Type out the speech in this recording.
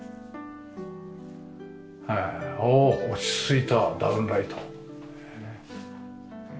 おおっ落ち着いたダウンライト。